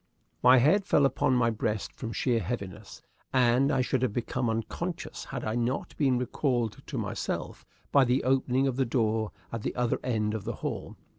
My head fell upon my breast from sheer heaviness, and I should have become unconscious had I not been recalled to myself by the opening of the door at the other end of the hall.